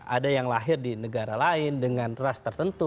ada yang lahir di negara lain dengan ras tertentu